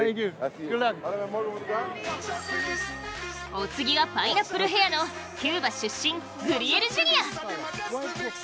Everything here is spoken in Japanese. お次はパイナップルヘアのキューバ出身グリエル・ジュニア。